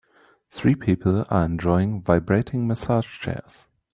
Three people are enjoying vibrating massage chairs